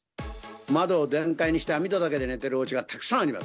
窓を全開にして網戸だけで寝ているうちがたくさんあります。